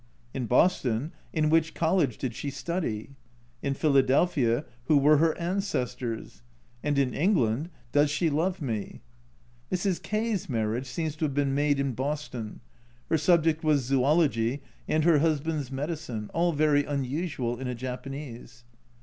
in Boston, "In which College did she study?" in Philadelphia, "Who were her ancestors?" and in England, "Does she love me?" Mrs. K 's marriage seems to have been made in Boston : her subject was zoology and her husband's medicine all very unusual in a Japanese.